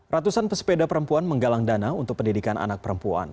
ratusan pesepeda perempuan menggalang dana untuk pendidikan anak perempuan